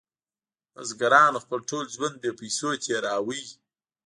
بزګرانو خپل ټول ژوند بې پیسو تیروه.